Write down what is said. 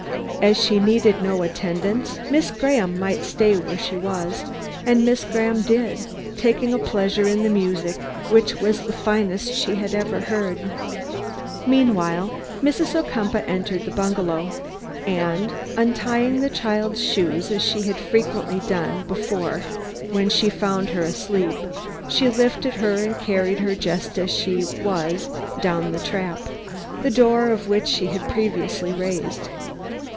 As she needed no attendance, Miss Graham might stay where she was. And Miss Graham did, taking great pleasure in the music, which was the finest she had ever heard. Meanwhile Mrs. Ocumpaugh entered the bungalow, and, untying the child's shoes as she had frequently done before when she found her asleep, she lifted her and carried her just as she was down the trap, the door of which she had previously raised.